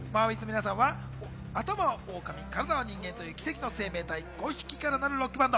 マンウィズの皆さんは頭は狼、体は人間という奇跡の生命体５匹からなるロックバンド。